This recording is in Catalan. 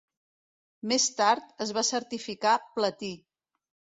Més tard, es va certificar platí.